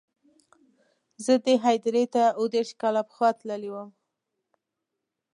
زه دې هدیرې ته اووه دېرش کاله پخوا تللی وم.